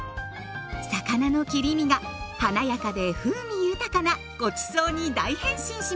魚の切り身が華やかで風味豊かなごちそうに大変身しますよ。